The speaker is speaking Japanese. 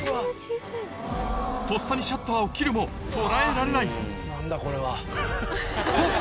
とっさにシャッターを切るも捉えられないと！